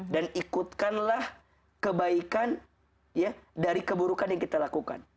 dan ikutkanlah kebaikan dari keburukan yang kita lakukan